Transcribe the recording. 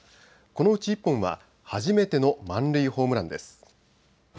このうち１本は初めての満塁ホームランです。